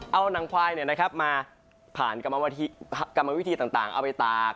เอาหนังควายมาผ่านกรรมวิธีต่างเอาไปตาก